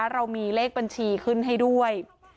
เรามีเลขบัญชีขึ้นให้ด้วย